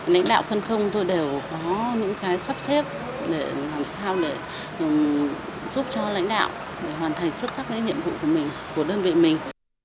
lãnh đạo phân không tôi đều có những cái sắp xếp để làm sao để giúp cho lãnh đạo hoàn thành xuất sắc cái nhiệm vụ của mình của đơn vị mình